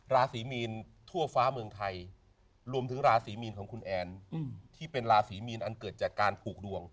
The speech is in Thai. ราศีมีนทั่วฟ้าเมืองไทยรวมถึงราศีมีนของคุณแอนที่เป็นราศีมีนอันเกิดจากการผูกดวง